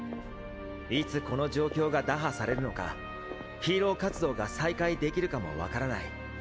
いつこの状況が打破されるのかヒーロー活動が再開できるかも分からない。